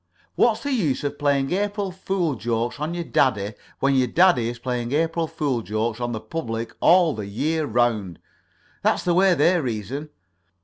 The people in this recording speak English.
What's the use of playing April fool jokes on your daddy, when your daddy is playing April fool jokes on the public all the year round? That's the way they reason.